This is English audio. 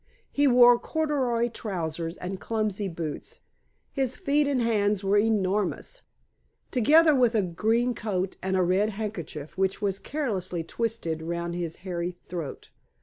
He wore corduroy trousers and clumsy boots his feet and hands were enormous together with a green coat and a red handkerchief which was carelessly twisted round his hairy throat.